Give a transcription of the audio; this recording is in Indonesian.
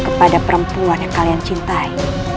kepada perempuan yang kalian cintai